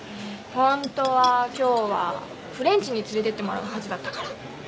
ホントは今日はフレンチに連れてってもらうはずだったから。